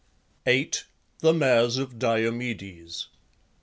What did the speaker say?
8. THE MARES OF DIOMEDES.